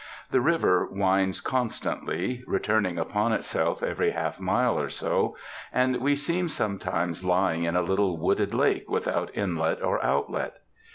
The river winds constantly,—returning upon itself every half mile or so, and we seem sometimes lying in a little wooded lake without inlet or outlet.